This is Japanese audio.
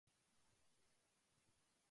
朝になり、ボートが完成し、彼は出発した